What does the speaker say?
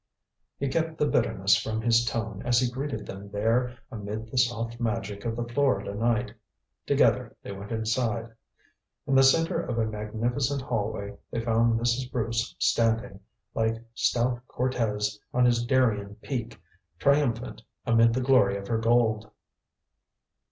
He kept the bitterness from his tone as he greeted them there amid the soft magic of the Florida night. Together they went inside. In the center of a magnificent hallway they found Mrs. Bruce standing, like stout Cortez on his Darien peak, triumphant amid the glory of her gold.